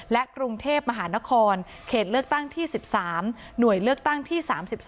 และกรุงเทพมหานครเขตเลือกตั้งที่๑๓หน่วยเลือกตั้งที่๓๒